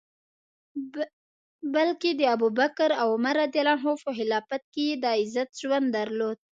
بلکه د ابوبکر او عمر رض په خلافت کي یې د عزت ژوند درلود.